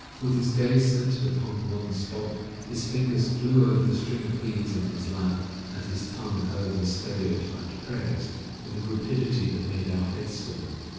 With his gaze centered upon one spot, his fingers flew over the string of beads in his lap, and his tongue over the stereotyped prayers, with a rapidity that made our head swim.